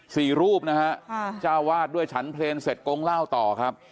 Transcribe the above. สี่รูปนะฮะค่ะเจ้าวาดด้วยฉันเพลงเสร็จกงเล่าต่อครับ